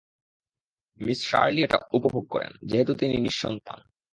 Miss Shirley এটা উপভোগ করেন, যেহেতু তিনি নিঃসন্তান।